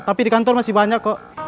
tapi di kantor masih banyak kok